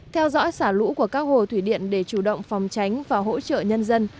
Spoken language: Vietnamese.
theo dõi xả lũ của các hồ thủy điện để chủ động phòng tránh và hỗ trợ nhân dân